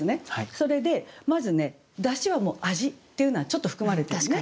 それでまずね「出汁」はもう「味」っていうのはちょっと含まれてるね。